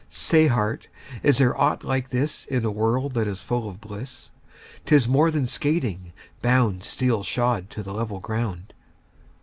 Say, heart, is there aught like this In a world that is full of bliss? 'Tis more than skating, bound 15 Steel shod to the level ground.